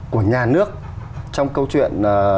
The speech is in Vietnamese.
của nhà nước trong câu chuyện